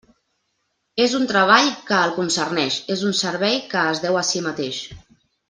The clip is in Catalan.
És un treball que el concerneix, és un servei que es deu a si mateix.